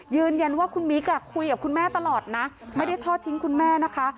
ยืนยันว่าคุณมิ๊กคุยกับคุณแม่ตลอดนะไม่ได้ทอดทิ้งคุณแม่นะคะ